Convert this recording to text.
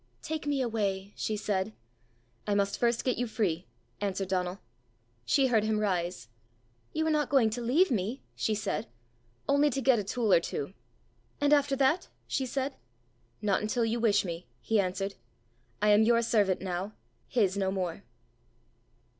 "Take me away," she said. "I must first get you free," answered Donal. She heard him rise. "You are not going to leave me?" she said. "Only to get a tool or two." "And after that?" she said. "Not until you wish me," he answered. "I am your servant now his no more."